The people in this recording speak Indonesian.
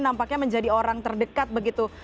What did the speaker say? nampaknya menjadi orang terdekat begitu